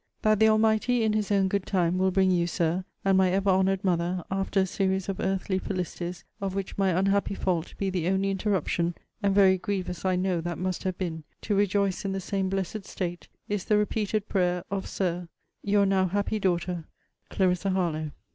That the Almighty, in his own good time, will bring you, Sir, and my ever honoured mother, after a series of earthly felicities, of which my unhappy fault be the only interruption, (and very grievous I know that must have been,) to rejoice in the same blessed state, is the repeated prayer of, Sir, Your now happy daughter, CLARISSA HARLOWE.